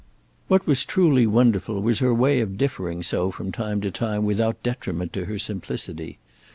What was truly wonderful was her way of differing so from time to time without detriment to her simplicity.